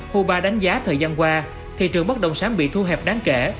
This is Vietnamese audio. huba đánh giá thời gian qua thị trường bất động sản bị thu hẹp đáng kể